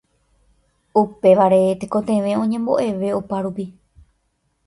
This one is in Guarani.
Upévare tekotevẽ oñemboʼeve opárupi.